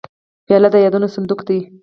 پیاله د یادونو صندوق ده.